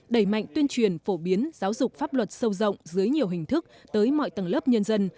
đẩy mạnh tuyên truyền phổ biến giáo dục pháp luật sâu rộng dưới nhiều hình thức tới mọi tầng lớp nhân dân